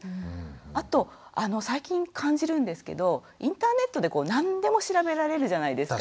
あと最近感じるんですけどインターネットで何でも調べられるじゃないですか。